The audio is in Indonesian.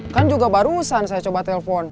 kan juga barusan saya coba telepon